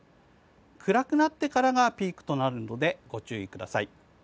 暗くなってからがピークとなるのでご注意ください。